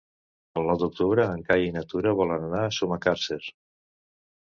El nou d'octubre en Cai i na Tura volen anar a Sumacàrcer.